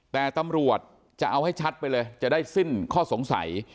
แต่ตำรวจจะเอาให้ชัดไปเลยจะได้สิ้นข้อสงสัย